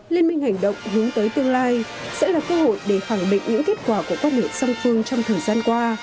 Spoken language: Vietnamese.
liên minh hành động hướng tới tương lai sẽ là cơ hội để khẳng định những kết quả của quan hệ song phương trong thời gian qua